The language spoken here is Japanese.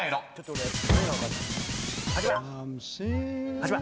８番。